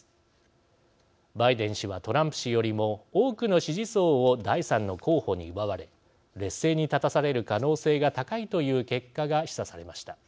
バイデン氏はトランプ氏よりも多くの支持層を第３の候補に奪われ劣勢に立たされる可能性が高いという結果が示唆されました。